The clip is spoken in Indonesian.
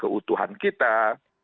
jadi itu adalah hal yang harus kita lakukan